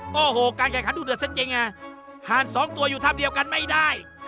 กันไก่เครื่องเธอถูกจัดเจ้าจริงห่าน๒ตัวอยู่ท่ำเดียวกันไม่ได้